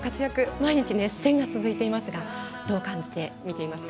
毎日熱戦が続いていますがどう感じて見ていますか。